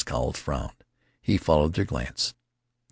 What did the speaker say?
Cowles frowned. He followed their glance.